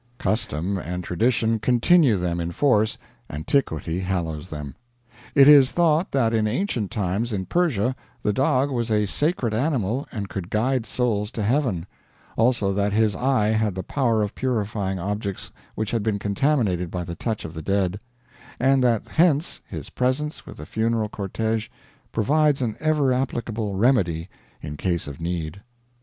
Custom and tradition continue them in force, antiquity hallows them. It is thought that in ancient times in Persia the dog was a sacred animal and could guide souls to heaven; also that his eye had the power of purifying objects which had been contaminated by the touch of the dead; and that hence his presence with the funeral cortege provides an ever applicable remedy in case of need.